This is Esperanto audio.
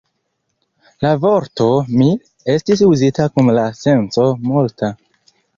La vorto "mil" estis uzita kun la senco "multa".